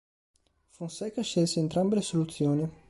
Fonseca scelse entrambe le soluzioni.